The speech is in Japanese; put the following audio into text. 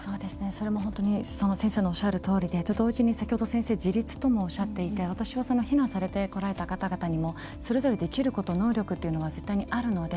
それも本当に先生のおっしゃるとおりでと同時に先ほど先生、自立ともおっしゃっていて私はその避難されてこられた方々にもそれぞれできること能力というのは絶対にあるので。